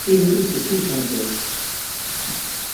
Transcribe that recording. ايٚ هڪڙيٚ سُٺيٚ سونچ اهي۔